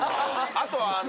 あとあの。